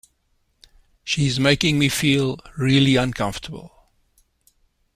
She’s making me feel really uncomfortable.